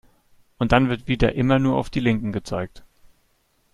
Und dann wird wieder immer nur auf die Linken gezeigt.